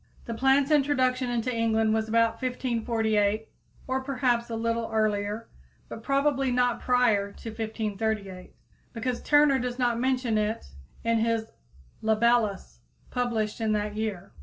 The plant's introduction into England was about 1548, or perhaps a little earlier, but probably not prior to 1538, because Turner does not mention it in his "Libellus," published in that year.